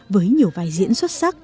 với nhiều vai diễn xuất sắc